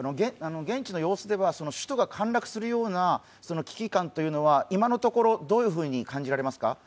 現地の様子では首都が陥落するような危機感というのは今のところどういうふうに感じられますか？